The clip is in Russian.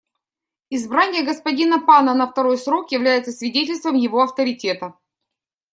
Избрание господина Пана на второй срок является свидетельством его авторитета.